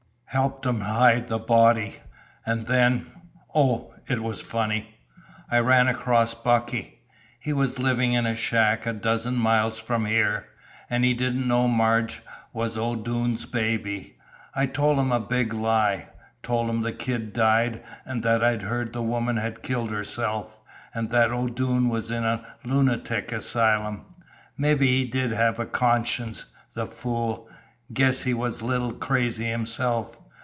Helped him hide the body. And then oh, it was funny! I ran across Bucky! He was living in a shack a dozen miles from here, an' he didn't know Marge was the O'Doone baby. I told him a big lie told him the kid died, an' that I'd heard the woman had killed herself, and that O'Doone was in a lunatic asylum. Mebby he did have a conscience, the fool! Guess he was a little crazy himself.